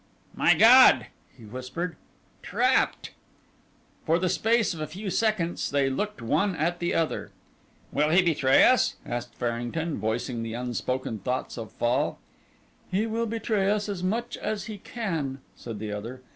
"My God!" he whispered. "Trapped!" For the space of a few seconds they looked one at the other. "Will he betray us?" asked Farrington, voicing the unspoken thoughts of Fall. "He will betray us as much as he can," said the other.